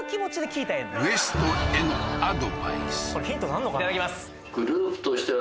いただきます